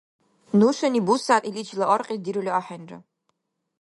Нушани бусягӀят иличила аргъес дирули ахӀенра.